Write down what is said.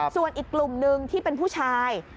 ส่วนอีกกลุ่มนึงที่เป็นผู้ชาย